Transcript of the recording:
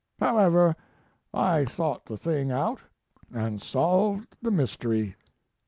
However, I thought the thing out and solved the mystery.